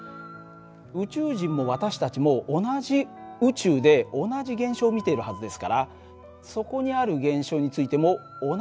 宇宙人も私たちも同じ宇宙で同じ現象を見ているはずですからそこにある現象についても同じ解釈をしてるでしょう。